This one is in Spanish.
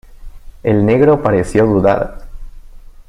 el negro pareció dudar.